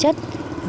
về dịch vụ về hồ bơi